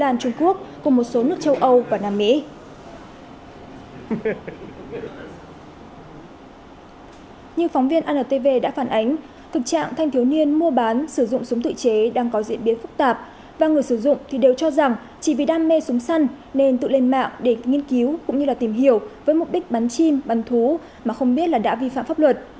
như phóng viên antv đã phản ánh thực trạng thanh thiếu niên mua bán sử dụng súng tự chế đang có diễn biến phức tạp và người sử dụng thì đều cho rằng chỉ vì đam mê súng săn nên tự lên mạng để nghiên cứu cũng như là tìm hiểu với mục đích bắn chim bắn thú mà không biết là đã vi phạm pháp luật